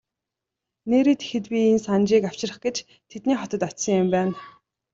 Нээрээ тэгэхэд би энэ Санжийг авчрах гэж тэдний хотод очсон юм байна.